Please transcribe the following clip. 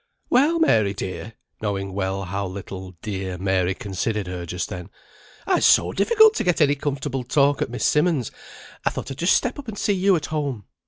"Well, Mary, dear" (knowing well how little "dear" Mary considered her just then); "i's so difficult to get any comfortable talk at Miss Simmonds', I thought I'd just step up and see you at home."